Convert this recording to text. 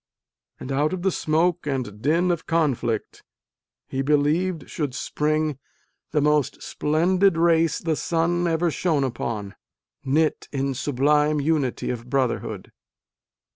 and out of the smoke and din of conflict, he believed, should spring " the most splendid race the sun ever shone upon," knit in sublime unity of brotherhood.